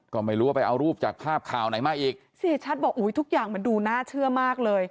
ก็ไม่รู้ว่าไปเอารูปจากภาพข่าวไหนมาอีกเสียชัดบอกอุ้ยทุกอย่างมันดูน่าเชื่อมากเลย